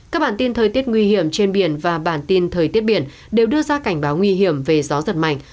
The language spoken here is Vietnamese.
các bản tin thời tiết nguy hiểm trên biển và bản tin thời tiết biển đều đưa ra cảnh báo nguy hiểm về gió giật mạnh